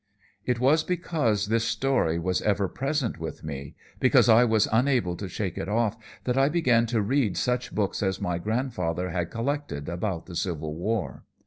"It was because this story was ever present with me, because I was unable to shake it off, that I began to read such books as my grandfather had collected upon the Civil War.